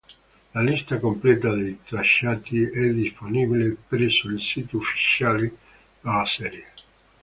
La lista completa dei tracciati è disponibile presso il sito ufficiale della serie.